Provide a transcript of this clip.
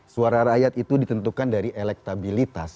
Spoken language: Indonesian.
suara rakyat itu ditentukan dari elektabilitas